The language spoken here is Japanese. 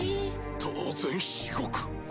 当然至極。